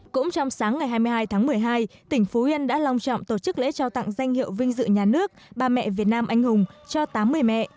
cũng trong sáng ngày hai mươi hai tháng một mươi hai tỉnh phú yên đã lòng trọng tổ chức lễ trao tặng danh hiệu vinh dự nhà nước bà mẹ việt nam anh hùng cho tám mươi mẹ